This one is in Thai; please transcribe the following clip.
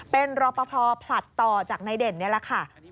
เป็นรอปภผลัดต่อจากนายเด่นนี่แหละค่ะ